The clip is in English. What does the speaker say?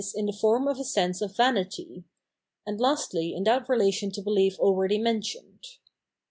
in the form of a sense of vanity — and lastly in that relation to behef already mentioned.